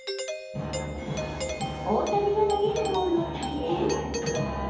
大谷が投げるボールを体験？